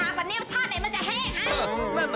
ตาปะเนี่ยวชาติไหนมันจะแฮะอ่ะ